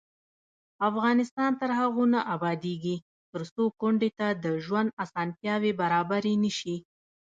افغانستان تر هغو نه ابادیږي، ترڅو کونډې ته د ژوند اسانتیاوې برابرې نشي.